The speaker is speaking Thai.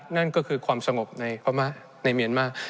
นั่นก็คือความสงบในพม่าในเมียนมา